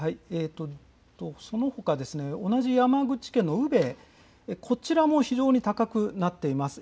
そのほか、同じ山口県の宇部、こちらも非常に高くなっています。